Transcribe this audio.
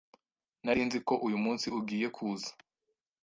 Nari nzi ko uyumunsi ugiye kuza.